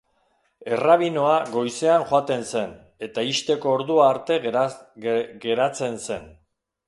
Errabinoa goizean joaten zen, eta ixteko ordua arte geratzen zen.